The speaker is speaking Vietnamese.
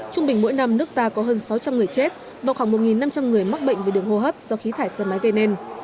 trung bình mỗi năm nước ta có hơn sáu trăm linh người chết và khoảng một năm trăm linh người mắc bệnh về đường hô hấp do khí thải xe máy gây nên